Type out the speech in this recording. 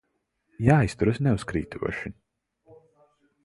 Jāizturas neuzkrītoši.